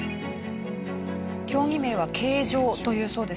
競技名は軽乗というそうですね。